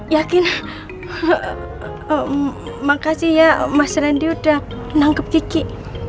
yakin makasih ya mas randy udah nangkep kiki